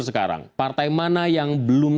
sekarang partai mana yang belum